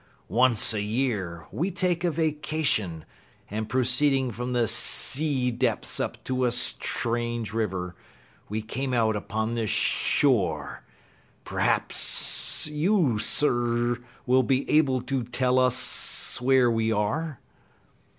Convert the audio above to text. Once a year, we take a vacation, and proceeding from the sea depths up a strange river, we came out upon this shore. Perhaps you, Sir, will be able to tell us where we are?"